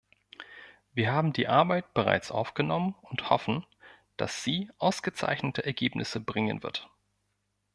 Wir haben die Arbeit bereits aufgenommen und hoffen, dass sie ausgezeichnete Ergebnisse bringen wird.